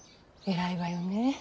偉いわよねえ。